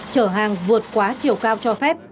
chở hàng vượt quá chiều cao cho phép